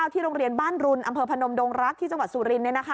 ที่โรงเรียนบ้านรุนอำเภอพนมดงรักที่จังหวัดสุรินทร์